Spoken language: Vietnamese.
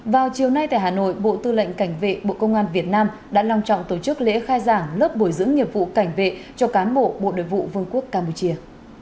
vào chiều nay tại hà nội bộ tư lệnh cảnh vệ bộ công an việt nam đã long trọng tổ chức lễ khai giảng lớp bồi dưỡng nghiệp vụ cảnh vệ cho cán bộ bộ đội vụ vương quốc campuchia